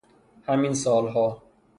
همین سال ها